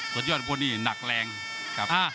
ส่วนยอดของพวกนี้หนักแรงครับ